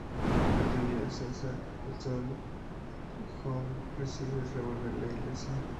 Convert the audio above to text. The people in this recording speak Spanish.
La lluvia cesa, sale el sol y Homer decide devolver la Iglesia.